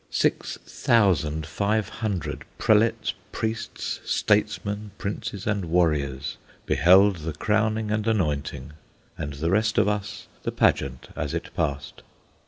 Six thousand five hundred prelates, priests, statesmen, princes, and warriors beheld the crowning and anointing, and the rest of us the pageant as it passed.